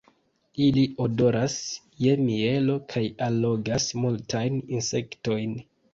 Ili odoras je mielo, kaj allogas multajn insektojn.